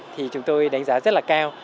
thì chúng tôi đánh giá rất là cao